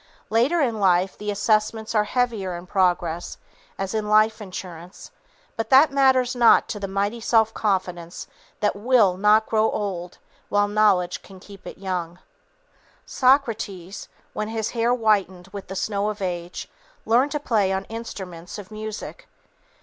Later in life, the assessments are heavier in progress, as in life insurance, but that matters not to that mighty self confidence that will not grow old while knowledge can keep it young. Socrates, when his hair whitened with the snow of age, learned to play on instruments of music.